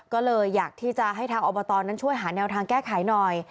ก็เลยอยากที่จะให้ทางอบตนั้นช่วยหาแนวทางแก้ไขหน่อย